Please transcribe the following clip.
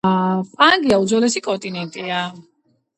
პანგეა უძველესი კონტინენტია